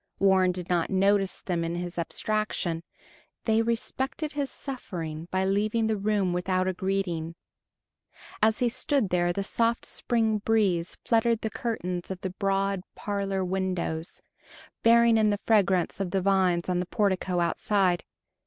Warren did not notice them in his abstraction; they respected his suffering by leaving the room without a greeting. As he stood there the soft spring breeze fluttered the curtains of the broad parlor windows, bearing in the fragrance of the vines on the portico outside.